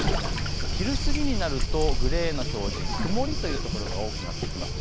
昼過ぎになるとグレーの表示、曇りというところが多くなってきます。